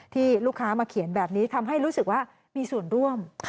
ที่ลูกค้ามาเขียนแบบนี้ทำให้รู้สึกว่ามีส่วนร่วม